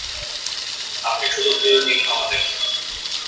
আপনি শুধু তেল দিন আমাদের।